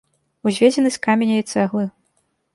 Узведзены з каменя і цэглы.